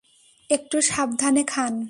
একটু সাবধানে খান।